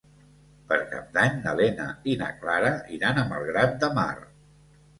Per Cap d'Any na Lena i na Clara iran a Malgrat de Mar.